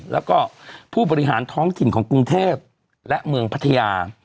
แล้วก็ผู้บริหารท้องถิ่นของกรุงเทพและเมืองพัทยา